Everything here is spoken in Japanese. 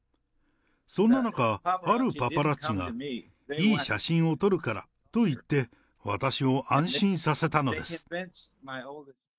そんな中、あるパパラッチが、いい写真を撮るからと言って、私を安心させたのです。